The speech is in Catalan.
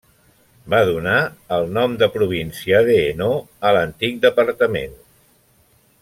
Va donar el nom de província d'Hainaut a l'antic departament.